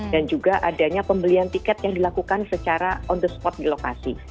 dan juga adanya pembelian tiket yang dilakukan secara on the spot di lokasi